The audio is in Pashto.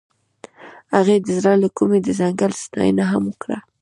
هغې د زړه له کومې د ځنګل ستاینه هم وکړه.